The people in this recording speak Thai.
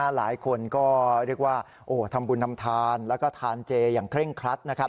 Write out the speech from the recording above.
หลายคนก็เรียกว่าทำบุญทำทานแล้วก็ทานเจอย่างเคร่งครัดนะครับ